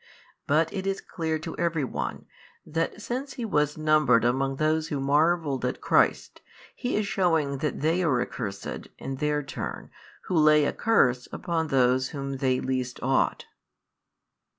But it is clear to every one, that since he was numbered among those who marvelled at Christ) he is shewing that they are accursed in their turn who lay a curse upon those whom they least ought.